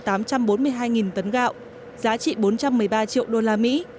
tám trăm bốn mươi hai tấn gạo giá trị bốn trăm một mươi ba triệu đô la mỹ